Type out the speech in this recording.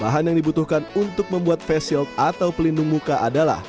bahan yang dibutuhkan untuk membuat face shield atau pelindung muka adalah